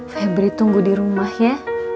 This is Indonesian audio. febri tunggu di rumah ya